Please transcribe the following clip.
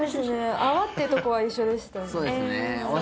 泡ってところは一緒でしたね。